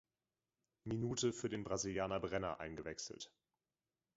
Minute für den Brasilianer Brenner eingewechselt.